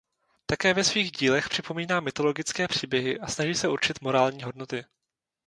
Také ve svých dílech připomíná mytologické příběhy a snaží se určit morální hodnoty.